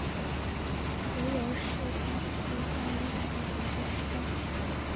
尤尤是巴西巴伊亚州的一个市镇。